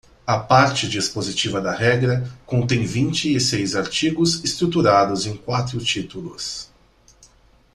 A parte dispositiva da regra contém vinte e seis artigos estruturados em quatro títulos.